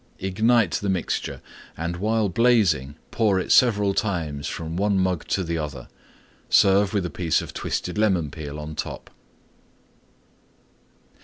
Ignite the mixture, and while blazing pour it several times from one mug to the other. Serve with a piece of twisted Lemon Peel on top.